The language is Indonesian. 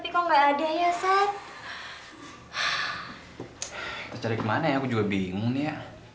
kita cari kemana ya aku juga bingung ya